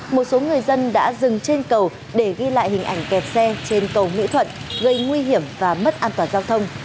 một số người dân đã dừng trên cầu để ghi lại hình ảnh kẹt xe trên cầu mỹ thuận gây nguy hiểm và mất an toàn giao thông